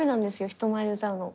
人前で歌うの。